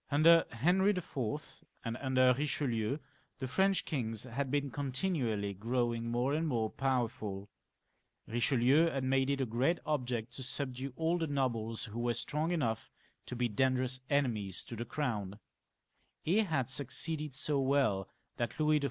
Under Henry IV. and under Eichelieu the French kings had been continually growing more and more powerful Eichelieu had made it a great object to subdue all the nobles who were strong enough to be dangerous enemies to the Crown ; he had suc ceeded so well that Louis XIV.